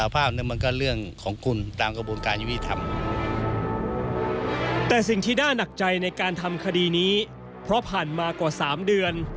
เพราะผ่านมากว่า๓เดือน